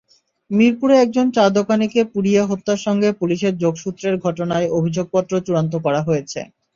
মিরপুরে একজন চা-দোকানিকে পুড়িয়ে হত্যার সঙ্গে পুলিশের যোগসূত্রের ঘটনায় অভিযোগপত্র চূড়ান্ত করা হয়েছে।